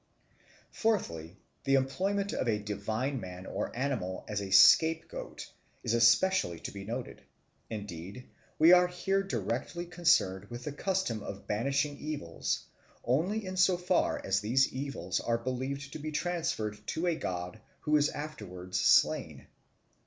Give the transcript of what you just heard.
Fourthly, the employment of a divine man or animal as a scapegoat is especially to be noted; indeed, we are here directly concerned with the custom of banishing evils only in so far as these evils are believed to be transferred to a god who is afterwards slain.